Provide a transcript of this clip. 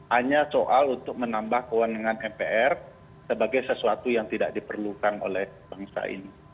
hanya soal untuk menambah kewenangan mpr sebagai sesuatu yang tidak diperlukan oleh bangsa ini